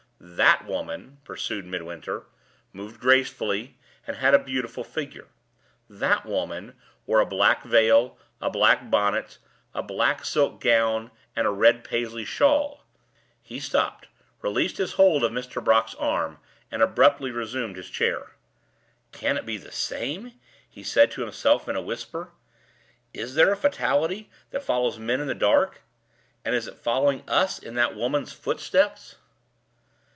"That woman," pursued Midwinter, "moved gracefully, and had a beautiful figure. That woman wore a black veil, a black bonnet, a black silk gown, and a red Paisley shawl " He stopped, released his hold of Mr. Brock's arm, and abruptly resumed his chair. "Can it be the same?" he said to himself in a whisper. "Is there a fatality that follows men in the dark? And is it following us in that woman's footsteps?"